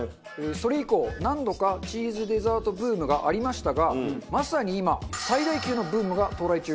それ以降何度かチーズデザートブームがありましたがまさに今最大級のブームが到来中。